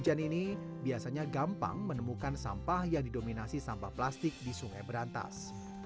hujan ini biasanya gampang menemukan sampah yang didominasi sampah plastik di sungai berantas